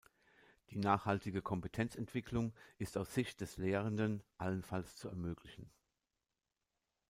Die nachhaltige Kompetenzentwicklung ist aus Sicht des Lehrenden allenfalls zu ermöglichen.